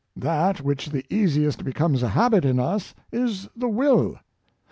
That which the easiest becomes a habit in us is the will.